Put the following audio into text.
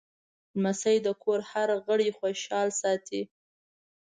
لمسی د کور هر غړی خوشحال ساتي.